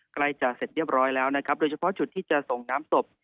ใกล้จะเสร็จเรียบร้อยแล้วนะครับโดยเฉพาะจุดที่จะส่งน้ำศพ